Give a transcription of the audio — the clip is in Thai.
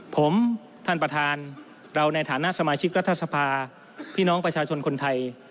ผมท่านประธานเราในฐานะสมาชิกรัฐสภาพี่น้องประชาชนคนไทย